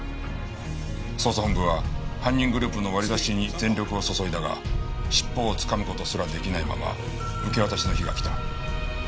捜査本部は犯人グループの割り出しに全力を注いだが尻尾をつかむ事すら出来ないまま受け渡しの日が来た。